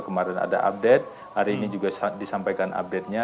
kemarin ada update hari ini juga disampaikan update nya